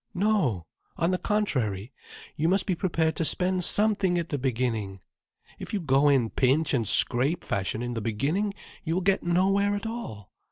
"No,—on the contrary. You must be prepared to spend something at the beginning. If you go in a pinch and scrape fashion in the beginning, you will get nowhere at all.